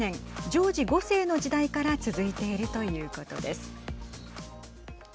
ジョージ５世の時代から続いているということです。